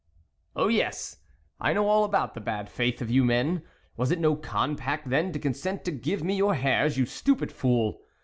" Oh, yes ! I know all about the bad faith of you men ! Was it no compact then to consent to give me your hairs, you stupid fool